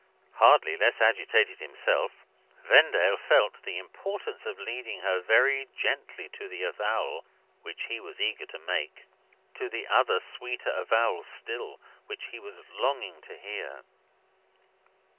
Hardly less agitated himself, Vendale felt the importance of leading her very gently to the avowal which he was eager to make to the other sweeter avowal still, which he was longing to hear.